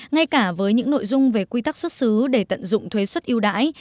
ngay cả với những nội dung về quy tắc xuất xứ để tận dụng thuế xuất yêu đãi